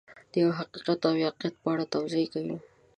د یو حقیقت او واقعیت په اړه توضیح کوي.